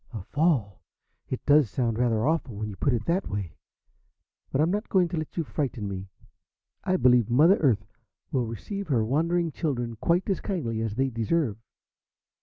"A fall! It does sound rather awful when you put it that way; but I am not going to let you frighten me. I believe Mother Earth will receive her wandering children quite as kindly as they deserve."